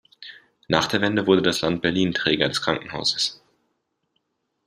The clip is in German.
Nach der Wende wurde das Land Berlin Träger des Krankenhauses.